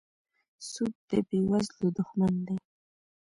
سود د بېوزلو دښمن دی.